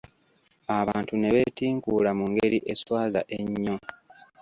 Abantu ne bentinkuula mu ngeri eswaza ennyo!